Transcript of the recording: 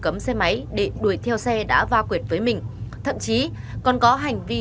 cấm xe máy để đuổi theo xe đã va quyệt với mình thậm chí còn có hành vi